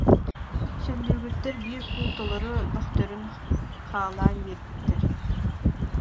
Сүллүүкүттэр биир куул толору бөхтөрүн хаалаан биэрбиттэр